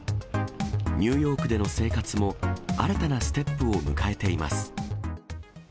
ニューヨークでの生活も、新たなステップを迎えています。